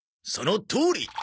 そのとおり。